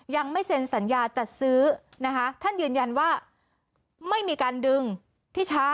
ยังไม่เซ็นสัญญาจัดซื้อนะคะท่านยืนยันว่าไม่มีการดึงที่ช้า